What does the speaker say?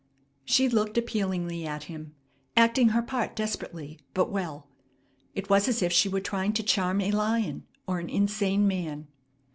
She looked appealingly at him, acting her part desperately, but well. It was as if she were trying to charm a lion or an insane man.